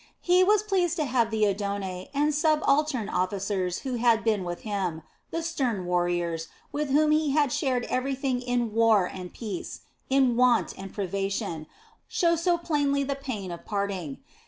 He was pleased to have the adone [Corresponding to the rank of adjutant.] and subaltern officers who had been with him, the stern warriors, with whom he had shared everything in war and peace, in want and privation, show so plainly the pain of parting.